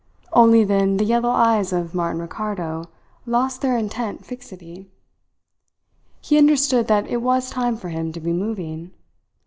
Only then the yellow eyes of Martin Ricardo lost their intent fixity. He understood that it was time for him to be moving.